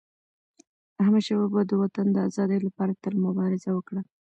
احمدشاه بابا د وطن د ازادی لپاره تل مبارزه وکړه.